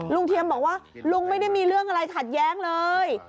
เทียมบอกว่าลุงไม่ได้มีเรื่องอะไรขัดแย้งเลย